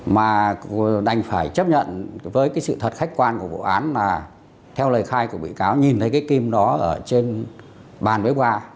mà đành phải chấp nhận với cái sự thật khách quan của bộ án là theo lời khai của bị cáo nhìn thấy cái kim đó ở trên bàn bế qua